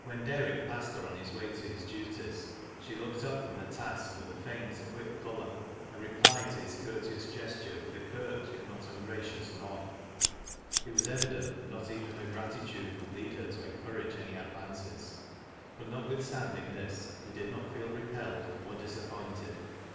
When Derrick passed her on his way to his duties, she looked up from her task with a faint, quick color, and re plied to his courteous gesture with a curt yet not ungra cious nod. It was evident that not even her gratitude would lead her to encourage any advances. But, not withstanding this, be did not feel repelled or disappoint ed.